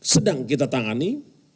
sedang kita tangani